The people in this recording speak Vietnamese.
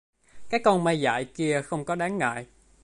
cái con ma dại kia không có đáng ngại